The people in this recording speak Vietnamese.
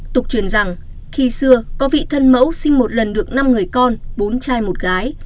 tục truyền rằng khi xưa có vị thân mẫu sinh một lần được năm người con bốn trai một gái